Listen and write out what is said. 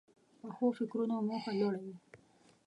پخو فکرونو موخه لوړه وي